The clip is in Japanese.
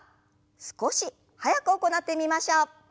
少し速く行ってみましょう。